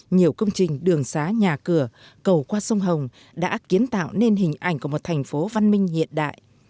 nhiều công trình đường xá nhà cửa cầu qua sông hồng đã kiến tạo nên hình ảnh của một thành phố văn minh hiện đại